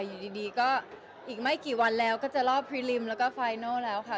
อยู่ดีก็อีกไม่กี่วันแล้วก็จะรอบพรีลิมแล้วก็ไฟโน่แล้วค่ะ